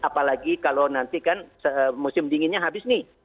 apalagi kalau nanti kan musim dinginnya habis nih